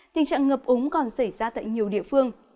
tình trạng ngập úng còn xảy ra tại nhiều địa phương